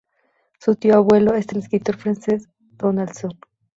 Su tío abuelo es el escritor Frances Donaldson.